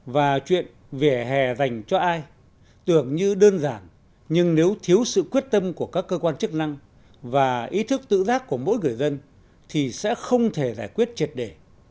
và chuyện vỉa hè dành cho ai tưởng như đơn giản nhưng nếu thiếu sự quyết tâm của các cơ quan chức năng và ý thức tự giác của mỗi người dân thì sẽ không thể giải quyết triệt đề